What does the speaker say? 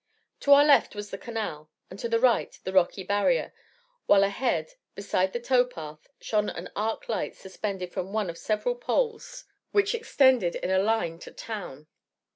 To our left was the canal, and to the right, the rocky barrier, while ahead, beside the tow path, shone an arc light suspended from one of several poles which extended in a line to town.